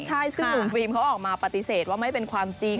ใช่ซึ่งหนุ่มฟิล์มเขาออกมาปฏิเสธว่าไม่เป็นความจริง